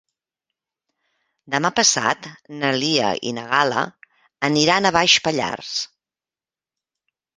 Demà passat na Lia i na Gal·la aniran a Baix Pallars.